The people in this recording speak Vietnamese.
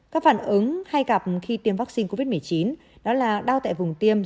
các phản ứng hay gặp khi tiêm vaccine covid một mươi chín đó là đau tại vùng tiêm